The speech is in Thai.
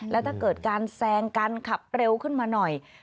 แล้วถ้าเกิดการแซงกันขับเร็วขึ้นมาหน่อย